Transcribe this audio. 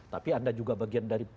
tapi anda juga bagian dari